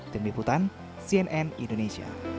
demi putan cnn indonesia